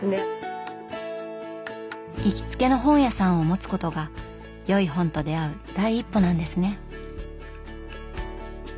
行きつけの本屋さんをもつことがよい本と出会う第一歩なんですね。